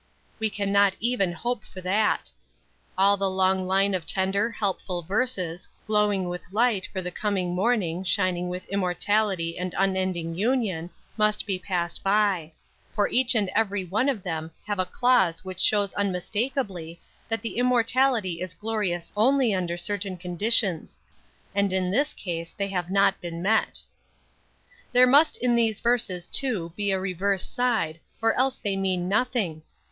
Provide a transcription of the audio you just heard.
We can not even hope for that. All the long line of tender, helpful verses, glowing with light for the coming morning, shining with immortality and unending union must be passed by; for each and every one of them have a clause which shows unmistakably that the immortality is glorious only under certain conditions, and in this case they have not been met. There must in these verses, too, be a reverse side, or else they mean nothing.